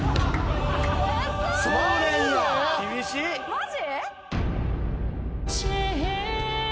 マジ？